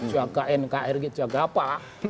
jaga nkri jaga apa